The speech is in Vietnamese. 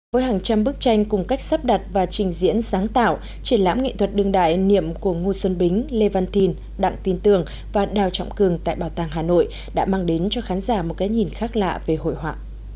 với hàng trăm bức tranh cùng cách sắp đặt và trình diễn sáng tạo triển lãm nghệ thuật đương đại niệm của ngô xuân bính lê văn thìn đặng tin tường và đào trọng cường tại bảo tàng hà nội đã mang đến cho khán giả một cái nhìn khác lạ về hội họa